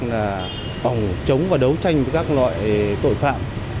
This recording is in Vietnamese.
bằng chống và đấu tranh với các loại tội phạm